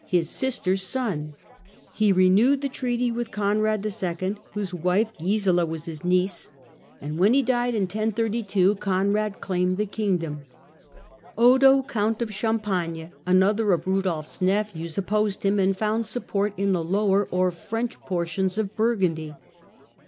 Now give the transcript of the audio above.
his sister's son. He renewed the treaty with Conrad II., whose wife Gisela was his niece, and when TRANSFERENCE FROM SAXONS TO SALTANS 31 he died in 1032, Conrad claimed the kingdom. Odo, Count of Champagne, another of Rudolfs nephews, opposed him, and found support in the lower or French portions of Burgundy.